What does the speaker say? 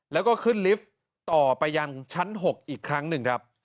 แล้วก็ขึ้นลิฟต์ต่อไปยังชั้น๖อีกครั้งหนึ่งครับ